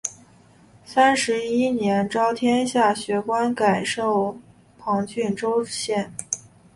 三十一年诏天下学官改授旁郡州县。